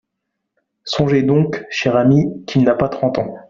Songez donc, chère amie, qu'il n'a pas trente ans.